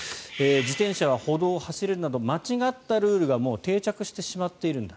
自転車は歩道を走れるなど間違ったルールがもう定着してしまっているんだ。